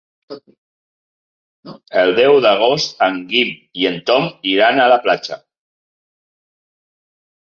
El deu d'agost en Guim i en Tom iran a la platja.